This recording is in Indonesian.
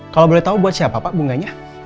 kalau boleh tahu buat siapa pak bunganya